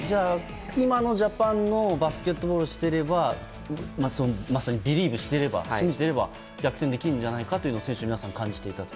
今のジャパンのバスケットボールをしていればまさにビリーブしてれば信じていれば逆転できるんじゃないかと選手の皆さんは感じていたと。